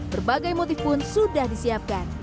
berbagai motif pun sudah disiapkan